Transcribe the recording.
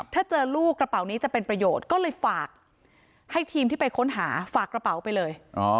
ถ้าเจอลูกกระเป๋านี้จะเป็นประโยชน์ก็เลยฝากให้ทีมที่ไปค้นหาฝากกระเป๋าไปเลย